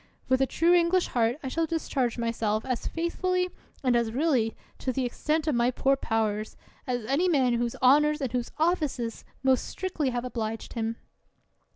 With a true English heart, I shall discharge myself as faithfully and as really, to the extent of my poor powers, as any man whose honors or whose offices most strictly have obliged him.